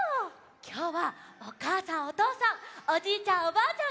きょうはおかあさんおとうさんおじいちゃん